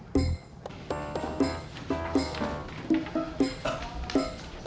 kayak gitu lagi